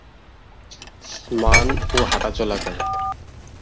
স্নান ও হাঁটাচলা করে।